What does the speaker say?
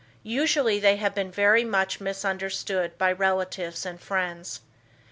Usually they have been very much misunderstood by relatives and friends.